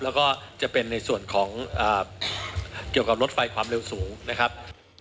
แล้วก็จะเป็นในส่วนของเกี่ยวกับรถไฟความเร็วสูงนะครับ